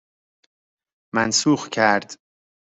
منسوخ کرد